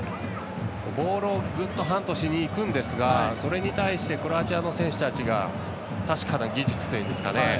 ボールをずっとハントしにいくんですがそれに対してクロアチアの選手たちが確かな技術というんですかね